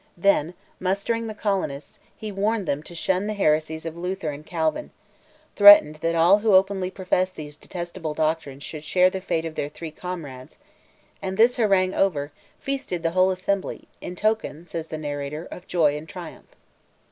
Then, mustering the colonists, he warned them to shun the heresies of Luther and Calvin; threatened that all who openly professed those detestable doctrines should share the fate of their three comrades; and, his harangue over, feasted the whole assembly, in token, says the narrator, of joy and triumph.